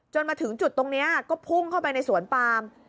มาถึงจุดตรงนี้ก็พุ่งเข้าไปในสวนปาม